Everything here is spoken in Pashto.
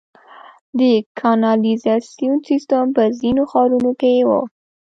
د کانالیزاسیون سیستم په ځینو ښارونو کې و